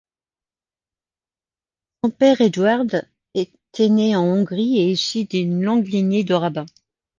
Son père Eduard était né en Hongrie et issu d'une longue lignée de rabbins.